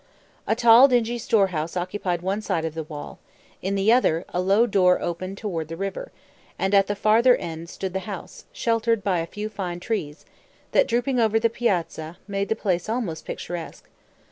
A tall, dingy storehouse occupied one side of the wall; in the other, a low door opened toward the river; and at the farther end stood the house, sheltered by a few fine trees, that, drooping over the piazza, made the place almost picturesque.